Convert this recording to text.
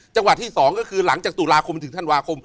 จังหวัดที่๒ก็คือหลังจากตุลาคมถึงธันวาคม